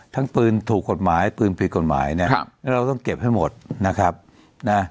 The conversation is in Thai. ทั้งปืนถูกกฎหมายปืนผิดกฎหมายเนี่ยครับแล้วเราต้องเก็บให้หมดนะครับนะ